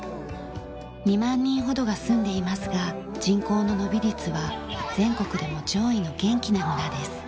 ２万人ほどが住んでいますが人口の伸び率は全国でも上位の元気な村です。